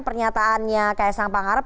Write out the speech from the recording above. pernyataannya ks ang pangarap